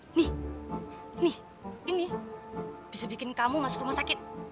ini nih ini bisa bikin kamu masuk rumah sakit